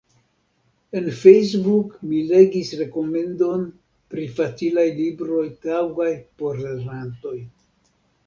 En Facebook mi legis rekomendon pri facilaj libroj taŭgaj por lernantoj.